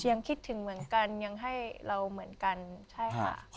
คิดถึงเหมือนกันยังให้เราเหมือนกันใช่ค่ะ